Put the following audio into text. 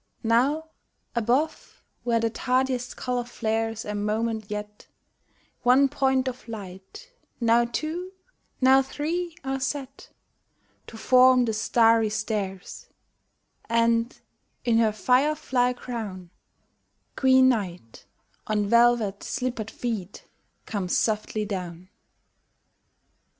Now above where the tardiest color flares a moment yet, One point of light, now two, now three are set To form the starry stairs,— And, in her fire fly crown, Queen Night, on velvet slippered feet, comes softly down.